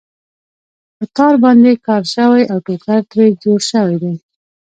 په تار باندې کار شوی او ټوکر ترې جوړ شوی دی.